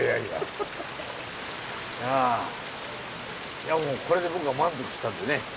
いやもうこれで僕は満足したんでね